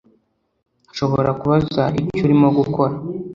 Nshobora kubaza icyo urimo gukora